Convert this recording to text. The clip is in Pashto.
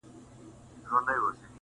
له محشره نه دی کم هغه ساعت چي,